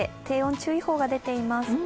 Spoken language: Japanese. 低温注意報が出ています。